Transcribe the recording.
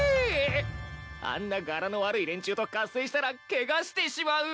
あんな柄の悪い連中と合戦したらケガしてしまう！